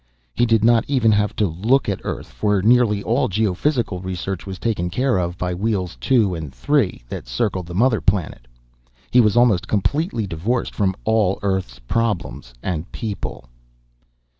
He did not even have to look at Earth, for nearly all geophysical research was taken care of by Wheels Two and Three that circled the mother planet. He was almost completely divorced from all Earth's problems and people.